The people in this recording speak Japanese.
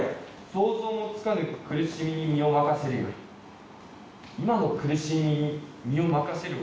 「想像もつかぬ苦しみに身を任せるより今の苦しみに身を任せる」